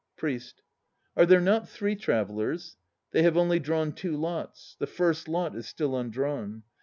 PRIEST. Are there not three travellers? They have only drawn two lots. The First Lot is still undrawn.